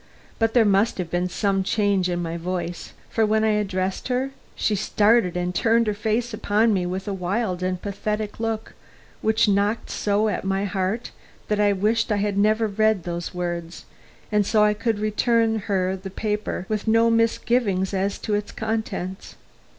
But there must have been some change in my voice for when I addressed her, she started and turned her face upon me with a wild and pathetic look which knocked so at my heart that I wished I had never read those words, and so could return her the paper with no misgiving as to its contents.